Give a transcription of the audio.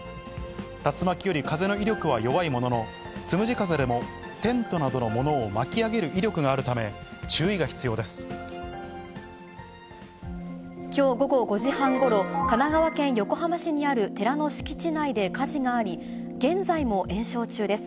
竜巻より風の威力は弱いものの、つむじ風でもテントなどの物を巻き上げる威力があるため、注意がきょう午後５時半ごろ、神奈川県横浜市にある寺の敷地内で火事があり、現在も延焼中です。